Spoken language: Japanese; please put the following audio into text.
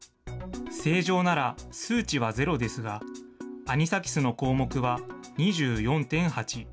正常なら数値はゼロですが、アニサキスの項目は２４．８。